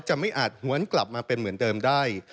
ไม่อาจหวนกลับมาเป็นเหมือนเดิมได้